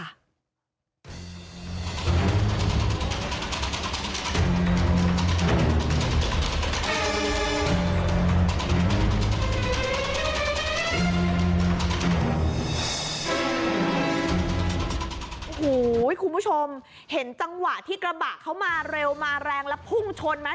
โอ้โหคุณผู้ชมเห็นจังหวะที่กระบะเขามาเร็วมาแรงแล้วพุ่งชนไหม